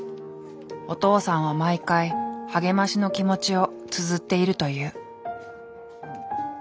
お父さんは毎回励ましの気持ちをつづっているという。